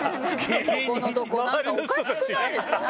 ここのところ、なんかおかしくないですか？